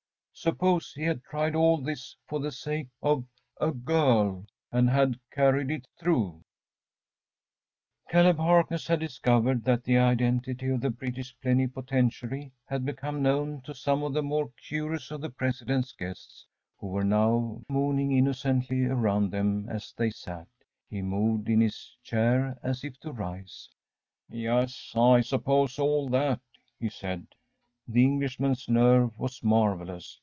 Suppose he had tried all this for the sake of a girl, and had carried it through ‚ÄĚ Caleb Harkness had discovered that the identity of the British Plenipotentiary had become known to some of the more curious of the President's guests, who were now mooning innocently around them as they sat. He moved in his chair as if to rise. “Yes I can suppose all that,‚ÄĚ he said. The Englishman's nerve was marvellous.